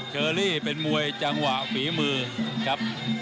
เชอรี่เป็นมวยจังหวะฝีมือครับ